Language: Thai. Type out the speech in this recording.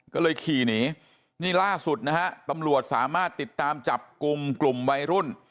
ก็เลยขี่หนีนี่ล่าสุดนะฮะตำรวจสามารถติดตามจับกลุ่มกลุ่มวัยรุ่น